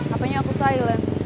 apanya aku silent